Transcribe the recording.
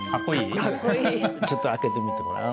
ちょっと開けて見てごらん。